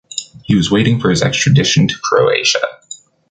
He’s waiting for his extradition to Croatia.